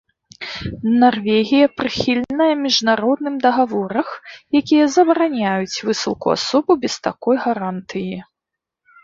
Нарвегія прыхільная міжнародным дагаворах, якія забараняюць высылку асобы без такой гарантыі.